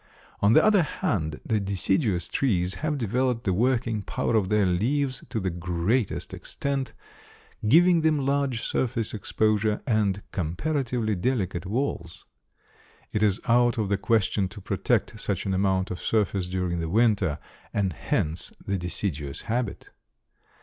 On the other hand, the deciduous trees have developed the working power of their leaves to the greatest extent, giving them large surface exposure and comparatively delicate walls. It is out of the question to protect such an amount of surface during the winter, and hence the deciduous habit.